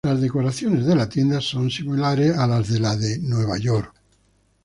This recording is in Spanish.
Las decoraciones de la tienda son similares a las de la de Nueva York.